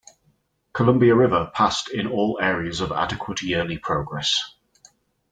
Columbia River passed in all areas of Adequate Yearly Progress.